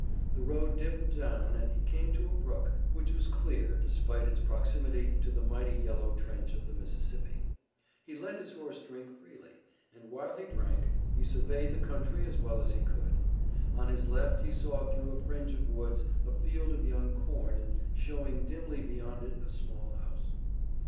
The road dipped down and he came to a brook, which was clear despite its proximity to the mighty yellow trench of the Mississippi. He let his horse drink freely, and, while he drank, he surveyed the country as well as he could. On his left he saw through a fringe of woods a field of young corn and showing dimly beyond it a small house.